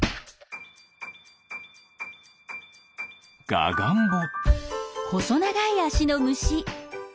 ガガンボ。